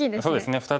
そうですね。